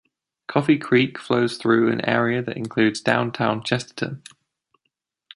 Coffee Creek flows through an area that includes downtown Chesterton.